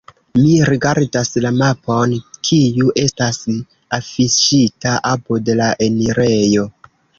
Mi rigardas la mapon, kiu estas afiŝita apud la enirejo.